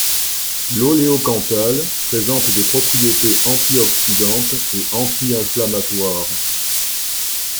L'oléocanthal présente des propriétés antioxydantes et anti-inflammatoires.